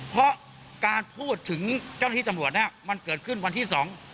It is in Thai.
เพราะการพูดถึงเจ้าหน้าที่ตำรวจเนี้ยมันเกิดขึ้นวันที่สอง